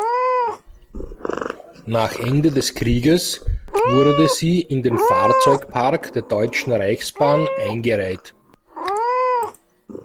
Nach Ende des Krieges wurde sie in den Fahrzeugpark der Deutschen Reichsbahn eingereiht.